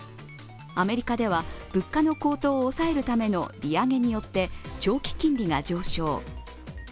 アメリカでは物価の高騰を抑えるための利上げによって長期金利が上昇。